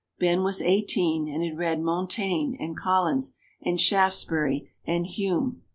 Ben was eighteen and had read Montaigne, and Collins, and Shaftesbury, and Hume.